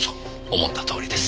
思ったとおりです。